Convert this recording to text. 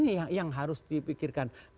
ini yang harus dipikirkan